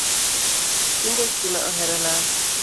Tinde stima ohero lal